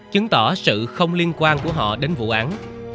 chứng tỏ sự không liên quan của họ đến vụ án